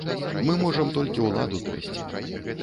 Мы можам толькі ўладу трэсці.